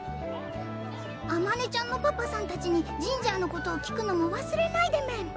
あまねちゃんのパパさんたちにジンジャーのことを聞くのもわすれないでメン